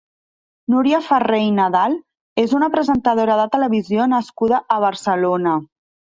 Núria Ferré i Nadal és una presentadora de televisió nascuda a Barcelona.